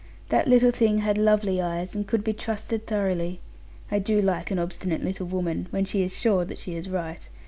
That little thing had lovely eyes, and could be trusted thoroughly. I do like an obstinate little woman, when she is sure that she is right.